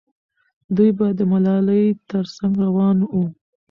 دوی به د ملالۍ تر څنګ روان وو.